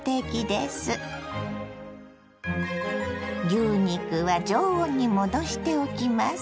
牛肉は常温に戻しておきます。